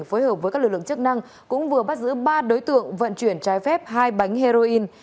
phối hợp với các lực lượng chức năng cũng vừa bắt giữ ba đối tượng vận chuyển trái phép hai bánh heroin